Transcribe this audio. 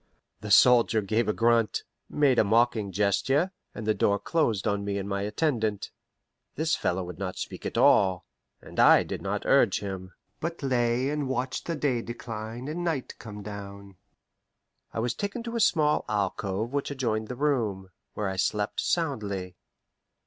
The soldier gave a grunt, made a mocking gesture, and the door closed on me and my attendant. This fellow would not speak at all, and I did not urge him, but lay and watched the day decline and night come down. I was taken to a small alcove which adjoined the room, where I slept soundly.